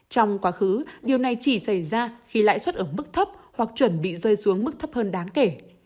trong quá khứ điều này chỉ xảy ra khi lãi suất ở mức thấp hoặc chuẩn bị rơi xuống mức thấp hơn đáng kể